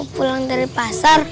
pulang dari pasar